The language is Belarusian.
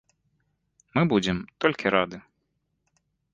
Мы будзем толькі рады.